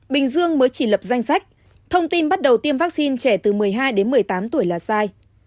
bình dương mới chỉ lập danh sách thông tin bắt đầu tiêm vaccine trẻ từ một mươi hai đến một mươi tám tuổi là sai